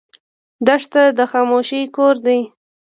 دښته د خاموشۍ کور دی.